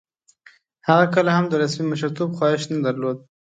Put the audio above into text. هغه کله هم د رسمي مشرتوب خواهیش نه درلود.